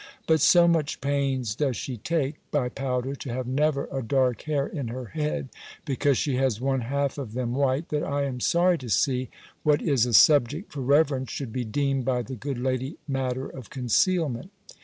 But so much pains does she take, by powder, to have never a dark hair in her head, because she has one half of them white, that I am sorry to see, what is a subject for reverence, should be deemed, by the good lady, matter of concealment.